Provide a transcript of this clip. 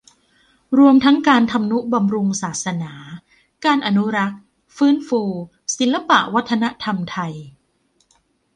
รวมทั้งการทำนุบำรุงศาสนา การอนุรักษ์ ฟื้นฟู ศิลปวัฒนธรรมไทย